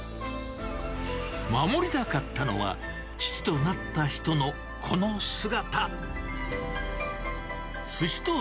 守りたかったのは、父となった人のこの姿。